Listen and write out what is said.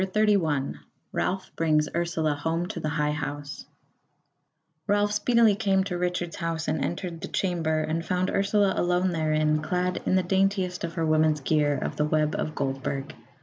CHAPTER 31 Ralph Brings Ursula Home to the High House Ralph speedily came to Richard's house and entered the chamber, and found Ursula alone therein, clad in the daintiest of her woman's gear of the web of Goldburg.